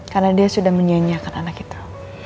karena dia sudah menyanyiakan anak itu